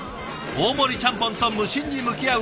大盛りちゃんぽんと無心に向き合う